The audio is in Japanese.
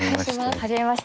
初めまして。